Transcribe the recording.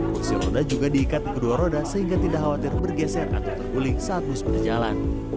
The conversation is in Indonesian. kursi roda juga diikat di kedua roda sehingga tidak khawatir bergeser atau terguling saat bus berjalan